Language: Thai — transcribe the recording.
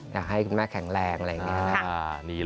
อยากให้คุณแม่แข็งแรงอะไรอย่างนี้